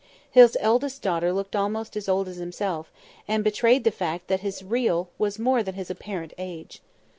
His eldest daughter looked almost as old as himself, and betrayed the fact that his real was more than his apparent age.